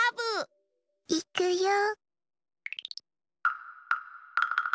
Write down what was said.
いくよ。